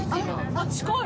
あっ近い。